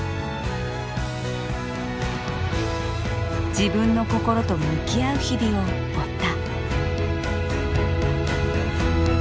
自分の心と向き合う日々を追った。